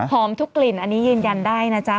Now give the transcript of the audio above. ทุกกลิ่นอันนี้ยืนยันได้นะจ๊ะ